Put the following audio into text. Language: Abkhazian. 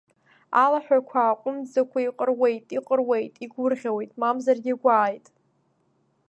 Алаҳәақәа ааҟәымҵӡакәа иҟыруеит, иҟыруеит, игәырӷьауеит, мамзаргь игәааит.